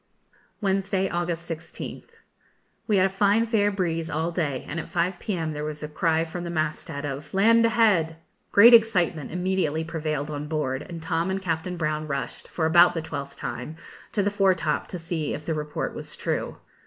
Wednesday, August 16th. We had a fine fair breeze all day, and at 5 p.m. there was a cry from the mast head of 'Land ahead!' Great excitement immediately prevailed on board, and Tom and Captain Brown rushed, for about the twelfth time, to the foretop to see if the report was true.